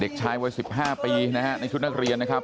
เด็กชายวัย๑๕ปีนะฮะในชุดนักเรียนนะครับ